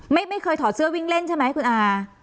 ไม่เคยถอดเสื้อวิ่งเล่นใช่ไหมคุณอา